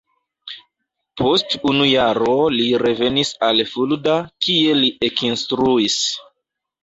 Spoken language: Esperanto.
Post unu jaro li revenis al Fulda kie li ekinstruis.